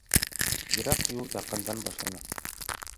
Йыраҡ юл яҡындан башлана.